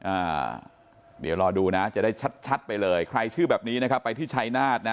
อ่าเดี๋ยวรอดูนะจะได้ชัดชัดไปเลยใครชื่อแบบนี้นะครับไปที่ชัยนาฏนะ